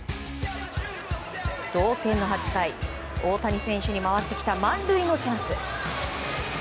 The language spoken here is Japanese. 同点の８回大谷選手に回ってきた満塁のチャンス。